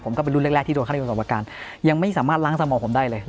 ผมก็เป็นรุ่นแรกที่โดนฆ่านิยมศิลป์สองประการ